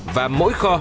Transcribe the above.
và mỗi kho